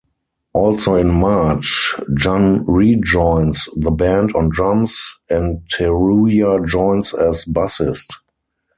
Also in March, Jun rejoins the band on drums and Teruya joins as bassist.